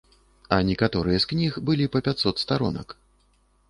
А некаторыя з кніг былі па пяцьсот старонак.